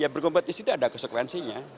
berkompetisi itu ada konsekuensinya